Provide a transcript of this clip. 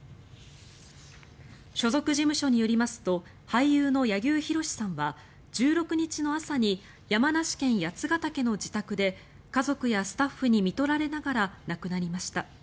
所属事務所によりますと俳優の柳生博さんは１６日の朝に山梨県・八ケ岳の自宅で家族やスタッフにみとられながら亡くなりました。